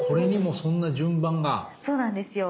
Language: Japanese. そうなんですよ。